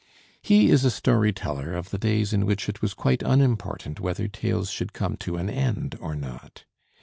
He is a story teller of the days in which it was quite unimportant whether tales should come to an end or not.